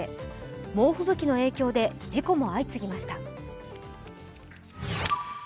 猛吹雪の影響で事故も相次ぎました。